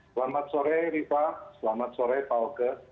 selamat sore rifa selamat sore pak oke